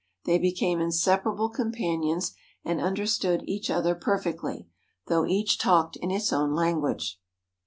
They became inseparable companions and understood each other perfectly, though each talked in its own language.